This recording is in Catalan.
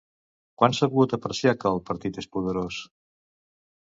Quan s'ha pogut apreciar que el partit és poderós?